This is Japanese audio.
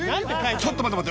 ちょっと待て待て